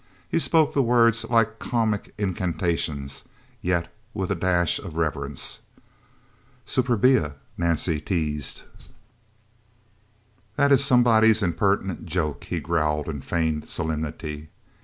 He spoke the words like comic incantations, yet with a dash of reverence. "Superbia?" Nance teased. "That is somebody's impertinent joke!" he growled in feigned solemnity.